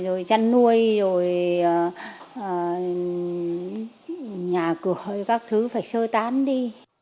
rồi chăn nuôi rồi nhà cửa các thứ phải sơ tán đi